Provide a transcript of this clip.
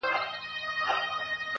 • خو اوس نه وینمه هیڅ سامان په سترګو -